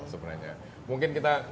sebenarnya mungkin kita